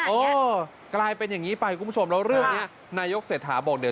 เออกลายเป็นอย่างนี้ไปคุณผู้ชมแล้วเรื่องนี้นายกเศรษฐาบอกเดี๋ยว